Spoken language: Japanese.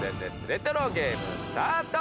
レトロゲームスタート！